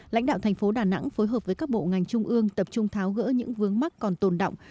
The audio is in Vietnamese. lãnh đạo thành phố đà nẵng phối hợp với các bộ ngành trung ương tập trung tháo gỡ những vướng mắc còn tồn động